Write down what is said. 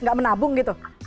gak menabung gitu